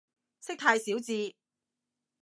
識太少字